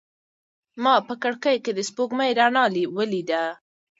ما په کړکۍ کې د سپوږمۍ رڼا ولیده.